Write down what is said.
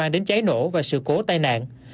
đến cháy nổ và sự cố tai nạn